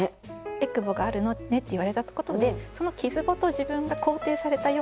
「えくぼがあるね」って言われたことでその傷ごと自分が肯定されたような気持ちになっている。